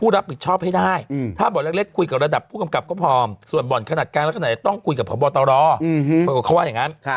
ไร้ความสามารถแล้วก็บ่อนต่าง